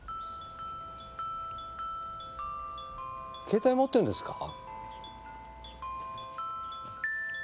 携帯持ってんですか？